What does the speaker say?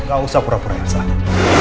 gak usah pura pura elsa